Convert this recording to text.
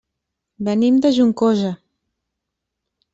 Venim de Juncosa.